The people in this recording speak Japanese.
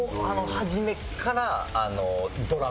初めからドラムで。